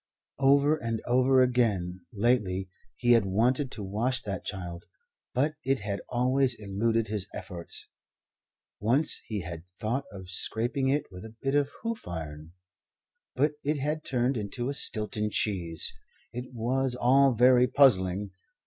Over and over again, lately, he had wanted to wash that child, but it had always eluded his efforts. Once he had thought of scraping it with a bit of hoof iron, but it had turned into a Stilton cheese. It was all very puzzling.